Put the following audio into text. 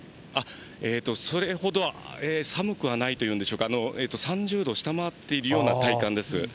それほどは、寒くはないというんでしょうか、３０度下回っているような体感です。